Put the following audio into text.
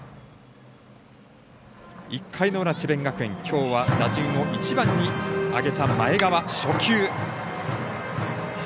１回の裏、智弁学園きょうは打順を１番に上げた前川。